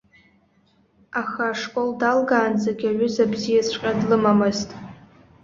Аха ашкол далгаанӡагь, аҩыза бзиаҵәҟьа длымамызт.